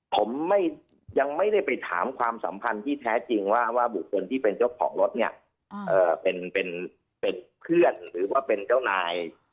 ผมยังไม่ได้ไปถามความสัมพันธ์ที่แท้จริงว่าบุคคลที่เป็นเจ้าของรถเนี่ยเป็นเพื่อนหรือว่าเป็นเจ้านาย